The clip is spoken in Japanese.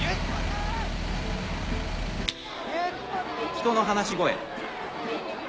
人の話し声。